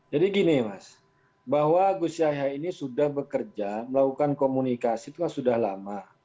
jadi gini mas bahwa gus yahya ini sudah bekerja melakukan komunikasi itu sudah lama